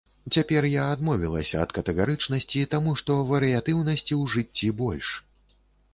Цяпер я адмовілася ад катэгарычнасці, таму што варыятыўнасці ў жыцці больш.